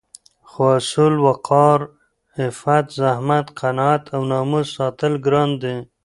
خو اصول، وقار، عفت، زحمت، قناعت او ناموس ساتل ګران دي